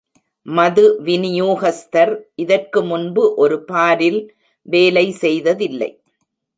மது விநியோகஸ்தர் இதற்கு முன்பு ஒரு பாரில் வேலை செய்ததில்லை